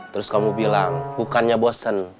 terus kamu bilang bukannya bosen